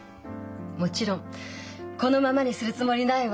もちろんこのままにするつもりないわ。